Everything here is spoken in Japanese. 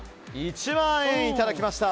１万円いただきました。